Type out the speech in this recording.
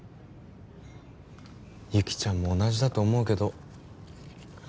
雪ちゃんも同じだと思うけど。